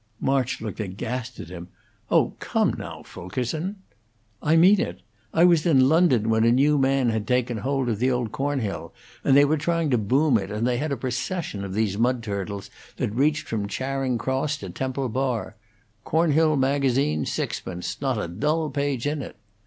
March looked aghast at him. "Oh, come, now, Fulkerson!" "I mean it. I was in London when a new man had taken hold of the old Cornhill, and they were trying to boom it, and they had a procession of these mudturtles that reached from Charing Cross to Temple Bar. 'Cornhill Magazine'. Sixpence. Not a dull page in it.'